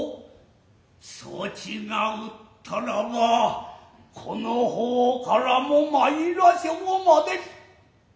そちが打つたらばこの方からも参らせうまで。